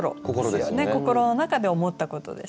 心の中で思ったことです。